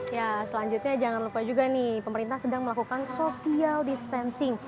ya selanjutnya jangan lupa juga nih pemerintah sedang melakukan social distancing